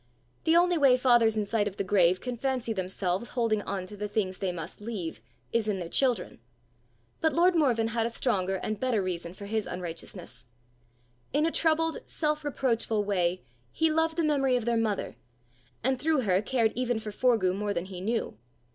The only way fathers in sight of the grave can fancy themselves holding on to the things they must leave, is in their children; but lord Morven had a stronger and better reason for his unrighteousness: in a troubled, self reproachful way, he loved the memory of their mother, and through her cared even for Forgue more than he knew.